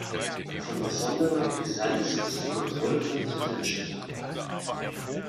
Von besonderer Brisanz ist die Kontrolle von Drittlandschiffen.